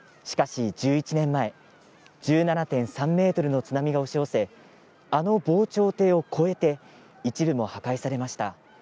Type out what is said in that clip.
しかし、１１年前１７．３ｍの津波が押し寄せあの防潮堤を越えて一部も破壊されました。